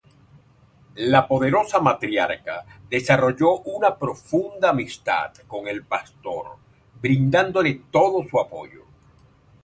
La poderosa matriarca desarrolló una profunda amistad con el pastor brindándole todo su apoyo.